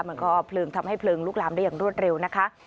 มันก็เพลิงทำให้เพลิงลุกลามได้อย่างรวดเร็วนะคะ